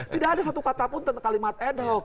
tidak ada satu kata pun tentang kalimat ad hoc